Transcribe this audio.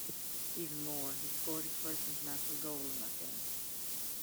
Even more, he scored his first international goal in that game.